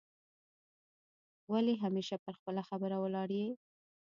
ولي همېشه پر خپله خبره ولاړ یې؟